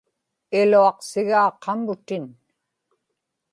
iluaqsigaa qamutin